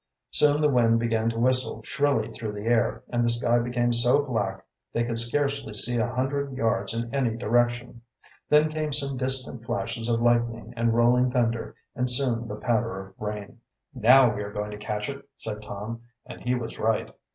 Soon the wind began to whistle shrilly through the air, and the sky became so black they could scarcely see a hundred yards in any direction, Then came some distant flashes of lightning and rolling thunder, and soon the patter of rain. "Now we are going to catch it," said Tom, and he was right.